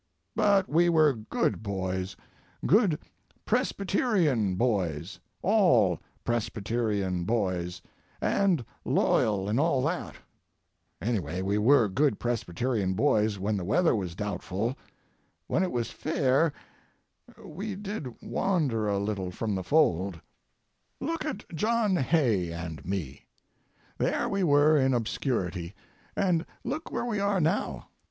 But we were good boys, good Presbyterian boys, all Presbyterian boys, and loyal and all that; anyway, we were good Presbyterian boys when the weather was doubtful; when it was fair, we did wander a little from the fold. Look at John Hay and me. There we were in obscurity, and look where we are now.